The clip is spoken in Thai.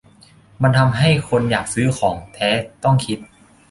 มันทำใหึ้คนอยากซื้อของแท้ต้องคิด